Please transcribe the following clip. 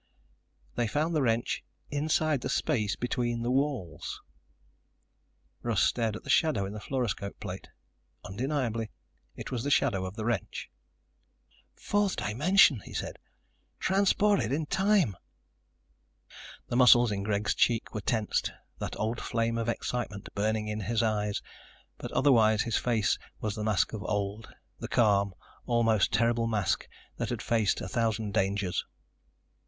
They found the wrench inside the space between the walls! Russ stared at the shadow in the fluoroscope plate. Undeniably it was the shadow of the wrench. "Fourth dimension," he said. "Transported in time." The muscles in Greg's cheeks were tensed, that old flame of excitement burning in his eyes, but otherwise his face was the mask of old, the calm, almost terrible mask that had faced a thousand dangers.